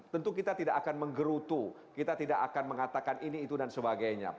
tentu kita tidak akan menggerutu kita tidak akan mengatakan ini itu dan sebagainya